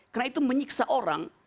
karena itu menyiksa orang